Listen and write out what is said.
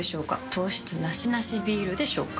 糖質ナシナシビールでしょうか？